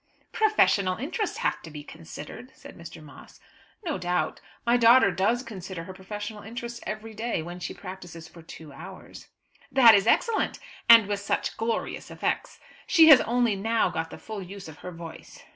"Professional interests have to be considered," said Mr. Moss. "No doubt; my daughter does consider her professional interests every day when she practises for two hours." "That is excellent, and with such glorious effects! She has only now got the full use of her voice.